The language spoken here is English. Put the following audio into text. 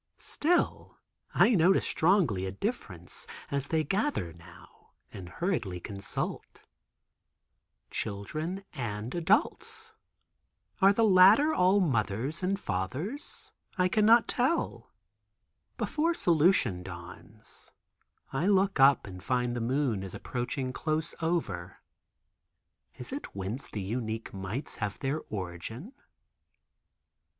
Still I notice strongly a difference as they gather now and hurriedly consult. Children and adults. Are the latter all mothers or fathers? I cannot tell. Before solution dawns I look up and find the moon is approaching close over. Is it whence the unique mites have their origin?